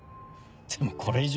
でもこれ以上。